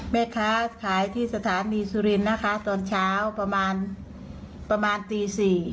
แม่ค้าขายที่สถานีสุรินทร์นะคะตอนเช้าประมาณประมาณตี๔